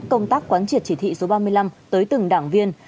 công tác quán triệt chỉ thị số ba mươi năm tới từng đảng viên